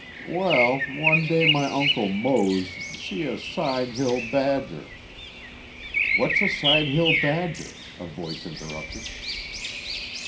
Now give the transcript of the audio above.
"Wal, one day my Uncle Mose see a side hill badger " "What's a side hill badger?" a voice interrupted.